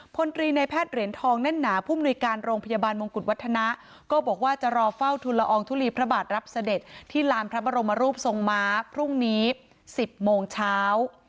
พลตรีในแพทย์เหรียญทองแน่นหนาผู้มนุยการโรงพยาบาลมงกุฎวัฒนะก็บอกว่าจะรอเฝ้าทุนละอองทุลีพระบาทรับเสด็จที่ลานพระบรมรูปทรงม้าพรุ่งนี้๑๐โมงเช้า